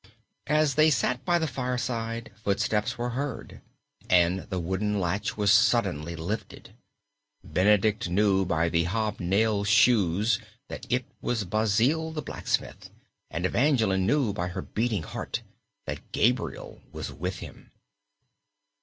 As they sat by the fireside, footsteps were heard, and the wooden latch was suddenly lifted. Benedict knew by the hob nailed shoes that it was Basil the blacksmith, and Evangeline knew by her beating heart that Gabriel was with him.